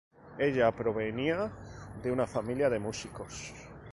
Ella provenía de una familia de músicos.